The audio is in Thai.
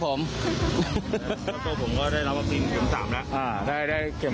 ก็ดีครับ